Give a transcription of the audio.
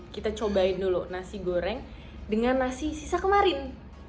kita cobain dulu nasi goreng dengan nasi sisa kemarin